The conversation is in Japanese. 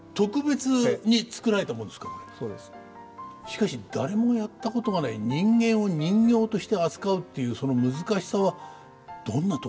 しかし誰もやったことがない人間を人形として扱うっていうその難しさはどんなところでしょうか？